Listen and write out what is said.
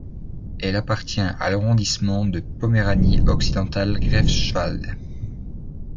Elle appartient à l'arrondissement de Poméranie-Occidentale-Greifswald.